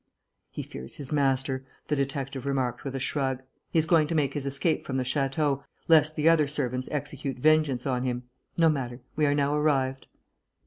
"He fears his master," the detective remarked, with a shrug. "He is going to make his escape from the château, lest the other servants execute vengeance on him. No matter. We are now arrived."